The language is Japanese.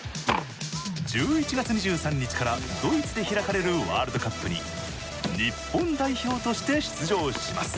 １１月２３日からドイツで開かれるワールドカップに日本代表として出場します。